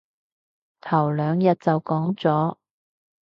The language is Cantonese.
頭兩日就講咗